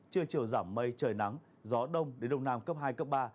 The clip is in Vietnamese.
trưa chiều giảm mây trời nắng gió đông đến đông nam cấp hai cấp ba